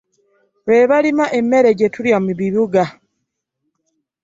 Be balima emmere gye tulya mu bibuga.